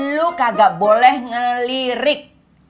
lo kagak boleh ngelirik